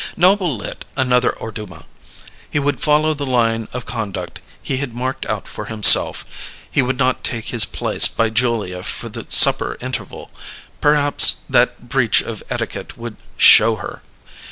Noble lit another Orduma. He would follow the line of conduct he had marked out for himself: he would not take his place by Julia for the supper interval perhaps that breach of etiquette would "show" her.